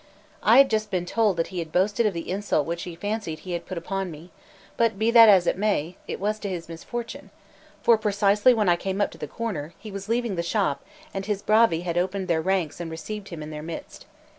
I had just been told that he had boasted of the insult which he fancied he had put upon me; but be that as it may, it was to his misfortune; for precisely when I came up to the corner, he was leaving the shop and his bravi had opened their ranks and received him in their midst.